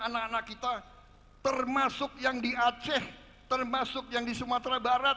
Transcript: anak anak kita termasuk yang di aceh termasuk yang di sumatera barat